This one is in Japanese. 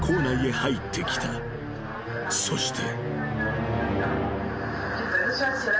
［そして］